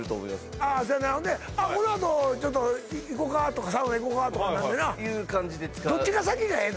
ああそやなほんでこのあとちょっと行こかとかサウナ行こかとかなんねんないう感じで使うどっちが先がええの？